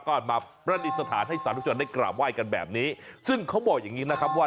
ก็มาประดิษฐานให้สาธุชนได้กราบไหว้กันแบบนี้ซึ่งเขาบอกอย่างงี้นะครับว่า